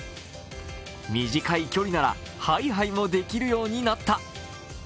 短い距離なら、はいはいもできるようになった。